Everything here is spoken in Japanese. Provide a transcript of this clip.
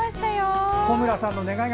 小村さんの願いが